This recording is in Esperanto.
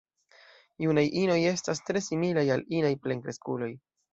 Junaj inoj estas tre similaj al inaj plenkreskuloj.